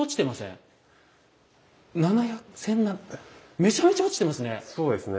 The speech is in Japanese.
７００めちゃめちゃ落ちてますね！